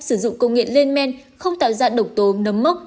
sử dụng công nghệ lên men không tạo ra độc tố nấm mốc